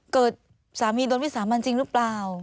เกิดสามีโดนวิสามันจริงหรือเปล่า